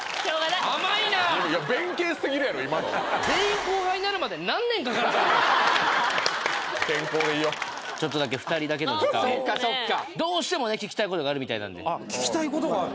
甘いな弁慶すぎるやろ今の健康でいようちょっとだけ２人だけの時間をどうしてもね聞きたいことがあるみたいなんで聞きたいことがある？